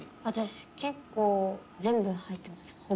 私結構全部入ってます